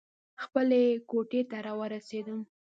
خپلې کوټې ته راورسېدم.